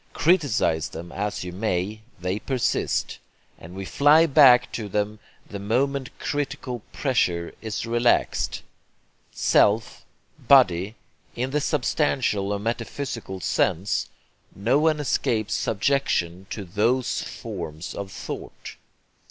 Criticize them as you may, they persist; and we fly back to them the moment critical pressure is relaxed. 'Self,' 'body,' in the substantial or metaphysical sense no one escapes subjection to THOSE forms of thought.